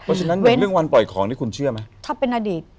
เพราะฉะนั้นในเรื่องวันปล่อยของนี่คุณเชื่อไหมถ้าเป็นอดีต